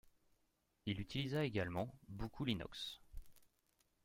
Il utilisa également beaucoup l'inox.